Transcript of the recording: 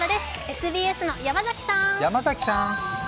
ＳＢＳの山崎さん！